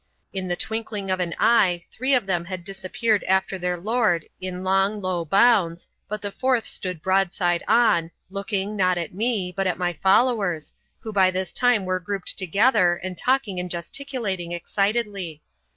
In the twinkling of an eye three of them had disappeared after their lord in long, low bounds, but the fourth stood broadside on, looking, not at me, but at my followers, who by this time were grouped together and talking and gesticulating excitedly.